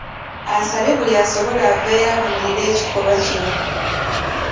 Asabye buli asobola aveeyo avumirire ekikolwa kino.